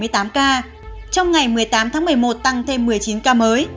trong ngày một mươi tám tháng một mươi một tăng thêm một mươi chín ca mới